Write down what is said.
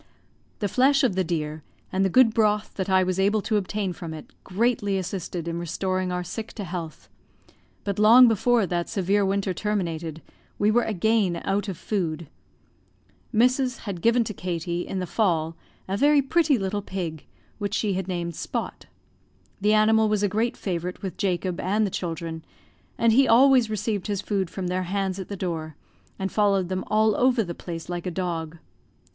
The flesh of the deer, and the good broth that I was able to obtain from it, greatly assisted in restoring our sick to health; but long before that severe winter terminated we were again out of food. Mrs. had given to Katie, in the fall, a very pretty little pig, which she had named Spot. The animal was a great favorite with Jacob and the children, and he always received his food from their hands at the door, and followed them all over the place like a dog.